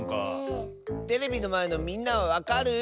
テレビのまえのみんなはわかる？